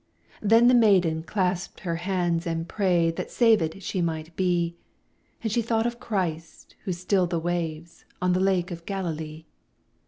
Then the maiden clasped her hands and prayed That savèd she might be; And she thought of Christ, who stilled the waves On the Lake of Galilee.